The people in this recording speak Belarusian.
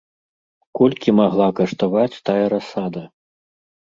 Колькі магла каштаваць тая расада?